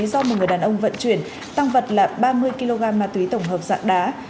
do một người đàn ông vận chuyển tăng vật là ba mươi kg ma túy tổng hợp dạng đá